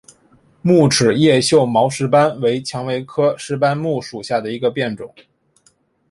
木齿叶锈毛石斑为蔷薇科石斑木属下的一个变种。